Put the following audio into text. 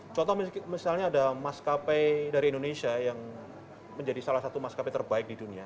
contoh misalnya ada mas kape dari indonesia yang menjadi salah satu mas kape terbaik di dunia